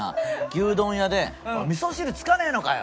牛丼屋で「みそ汁付かねえのかよ！」